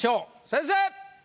先生！